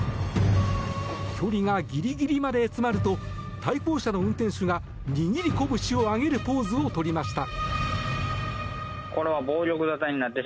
距離がギリギリまで詰まると対向車の運転手が握りこぶしを上げるポーズを取りました。